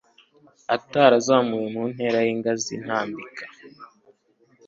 atarazamuwe mu ntera y ingazi ntambik